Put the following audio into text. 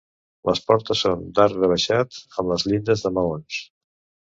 Les portes són d'arc rebaixat, amb les llindes de maons.